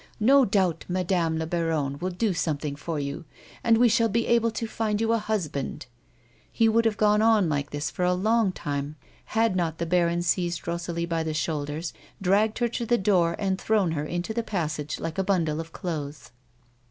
Xo doubt Madame la baronne will do something for you, and we shall be able to find you a husband —" He would have gone on like this for a long time had not the baron seized Rosalie by the shoulders, dragged her to the door and thrown her into the passage like a bundle of clothes.